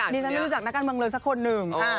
ฉันไม่รู้จักนักการเมืองเลยสักคนหนึ่ง